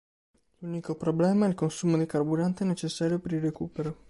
L'unico problema è il consumo di carburante necessario per il recupero.